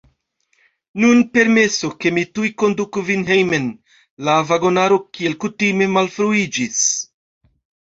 Nun permesu, ke mi tuj konduku vin hejmen; la vagonaro, kiel kutime, malfruiĝis.